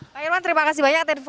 pak irman terima kasih banyak